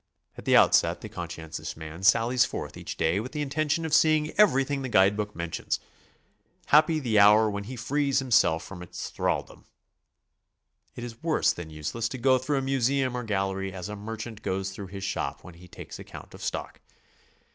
At the outset the conscientious man sallies forth each day with the intention of seeing everything the guide book mentions. Happy the hour when he frees himself from its thralldom! It is worse than useless to go through a museum or gallery as a merchant goes through his shop when he takes account of stock.